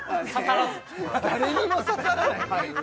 誰にも刺さらない